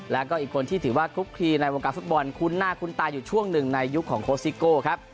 แล้วก็อีกคนที่ถือว่าคลุกคลีในวงการฟุตบอลคุ้นหน้าคุ้นตาอยู่ช่วงหนึ่งในยุคของโค้ชซิโก้ครับ